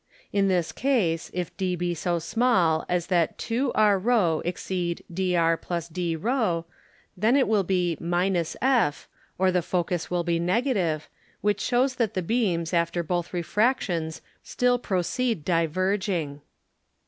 In this Case, if d be so small, as that 2rρ exceed dr + dρ, then will it be f, or the Focus will be Negative, which shews that the Beams after both Refractions still proceed diverging.